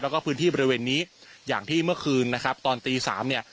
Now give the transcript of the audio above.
แล้วก็พื้นที่บริเวณนี้อย่างที่เมื่อคืนนะครับตอนตีสามเนี่ย